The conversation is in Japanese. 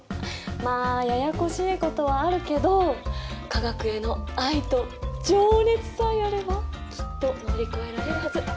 まあややこしいことはあるけど化学への愛と情熱さえあればきっと乗り越えられるはず。